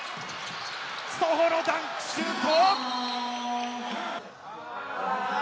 ソホのダンクシュート！